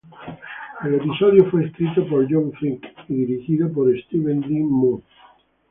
El episodio fue escrito por John Frink y dirigido por Steven Dean Moore.